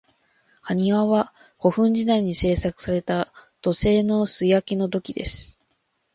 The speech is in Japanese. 埴輪は、古墳時代に製作された土製の素焼きの土器です。